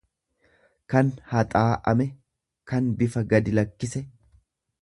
kan haxaa ame, kan bifa gadi lakkise.